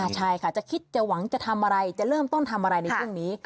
ใช่ค่ะจะคิดจะหวังจะทำอะไรจะเริ่มต้นทำอะไรในช่วงนี้